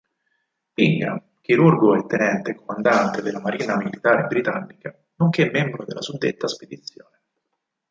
Bingham, chirurgo e tenente comandante della marina militare britannica, nonché membro della suddetta spedizione.